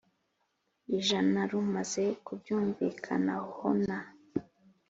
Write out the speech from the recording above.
ijana rumaze kubyumvikanaho na